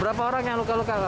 berapa orang yang luka luka